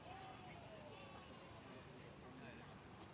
สวัสดีครับทุกคน